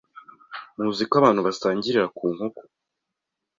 muzi ko abantu basangiriraga ku nkoko